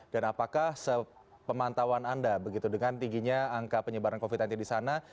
dan apakah sepemantauan anda begitu dengan tingginya angka penyebaran covid sembilan belas di sana